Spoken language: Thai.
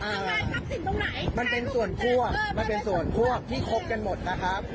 ทำลายทับสิ่งตรงไหนมันเป็นส่วนพวกมันเป็นส่วนพวกที่คบกันหมดนะครับ